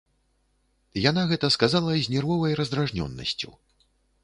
Яна гэта сказала з нервовай раздражнёнасцю.